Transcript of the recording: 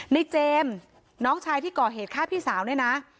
ในเจมส์น้องชายที่ก่อเหตุฆ่าพี่สาวเนี่ยนะ